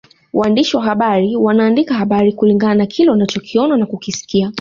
Waandishi wa habari wanaandika habari kulingana na kile wanachokiona na kukisikia